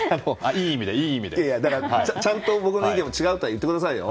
あのちゃんと僕の意見も違うって言ってくださいよ。